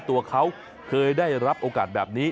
ตัวเขาเคยได้รับโอกาสแบบนี้